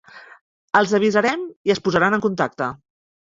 Els avisarem i es posaran en contacte.